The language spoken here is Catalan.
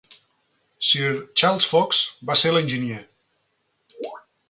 Sir Charles Fox va ser l'enginyer.